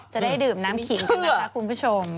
จะได้ดื่มน้ำขิงขึ้นนะคะคุณผู้ชม